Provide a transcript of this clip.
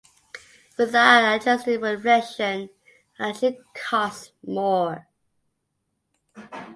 Without adjusting for inflation, it actually cost "more".